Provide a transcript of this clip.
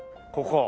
ここ。